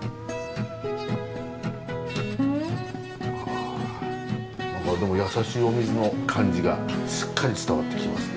あ何かでも優しいお水の感じがしっかり伝わってきますね